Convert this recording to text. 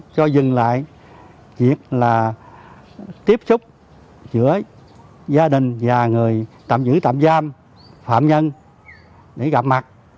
cho dừng lại việc là tiếp xúc giữa gia đình và người tạm giữ tạm giam phạm nhân để gặp mặt